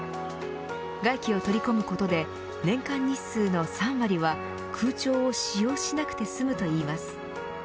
外気を取り込むことで年間日数の３割は空調を使用しなくて済むといいます。